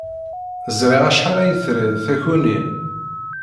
Ẓriɣ acḥal ay trid takunin.